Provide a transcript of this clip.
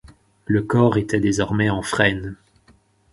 Le corps était désormais en frêne.